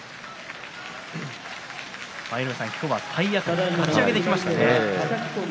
舞の海さん、今日は体当たりかち上げでいきましたね。